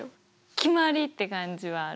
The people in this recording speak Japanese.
決まりって感じはある。